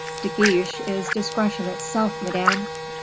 De Guiche is discretion itself, Madame."